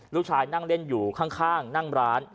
นั่งเล่นอยู่ข้างนั่งร้าน